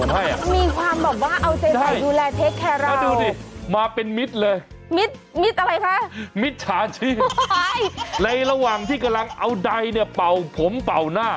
ในระหว่างที่กำลังเอาใดเป่าผมเป่าหน้า